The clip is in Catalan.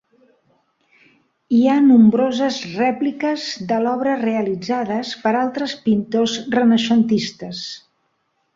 Hi ha nombroses rèpliques de l'obra realitzades per altres pintors renaixentistes.